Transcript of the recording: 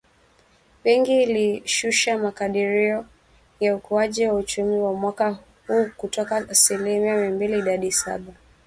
Benki ilishusha makadirio ya ukuaji wa uchumi wa mwaka huu kutoka asili mia mbili hadi saba.